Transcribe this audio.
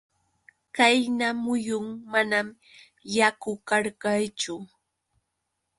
Qayna muyun manam yaku karqachu.